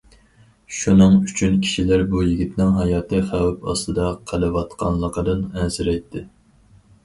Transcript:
شۇنىڭ ئۈچۈن، كىشىلەر بۇ يىگىتنىڭ ھاياتى خەۋپ ئاستىدا قېلىۋاتقانلىقىدىن ئەنسىرەيتتى.